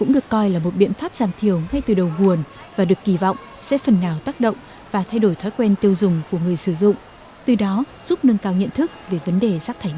đây là một biện pháp giảm thiểu ngay từ đầu nguồn và được kỳ vọng sẽ phần nào tác động và thay đổi thói quen tiêu dùng của người sử dụng từ đó giúp nâng cao nhận thức về vấn đề rác thải nhựa